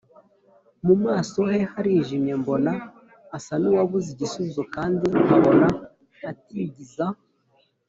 mu maso he harijimye mbona asa n'uwabuze igisubizo, kandi nkabona atigiza